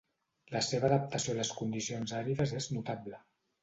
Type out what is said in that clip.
La seva adaptació a les condicions àrides és notable.